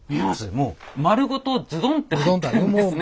もう丸ごとズドンって入ってるんですね。